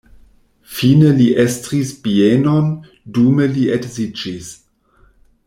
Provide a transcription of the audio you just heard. Fine li estris bienon, dume li edziĝis.